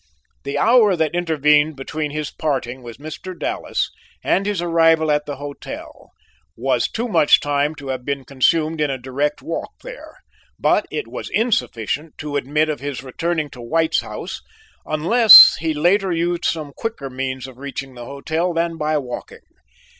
The hour that intervened between his parting with Mr. Dallas and his arrival at the hotel was too much time to have been consumed in a direct walk there, but it was insufficient to admit of his returning to White's house unless he later used some quicker means of reaching the hotel than by walking.